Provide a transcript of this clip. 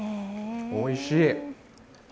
おいしい！